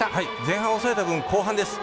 前半抑えた分、後半です。